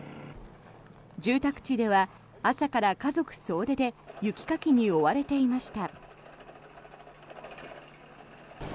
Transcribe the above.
住宅地では朝から家族総出で雪かきに追われていました。